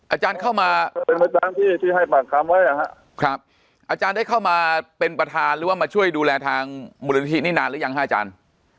อาจารย์เข้ามาอาจารย์ได้เข้ามาเป็นประธานหรือว่ามาช่วยดูแลทางมูลนิธินี่นานหรือยังฮะอาจารย์